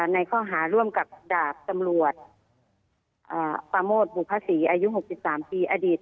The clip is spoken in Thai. ในข้อหาร่วมกับดาบตำรวจปาโมทบุภาษีอายุ๖๓ปีอดีต